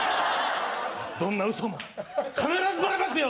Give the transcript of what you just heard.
どんな嘘も必ずバレますよ